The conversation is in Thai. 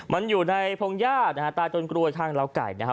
มันอยู่ในโพงญาติตายจนโกร่ในข้างราวไก่